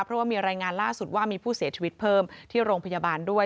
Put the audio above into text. เพราะว่ามีรายงานล่าสุดว่ามีผู้เสียชีวิตเพิ่มที่โรงพยาบาลด้วย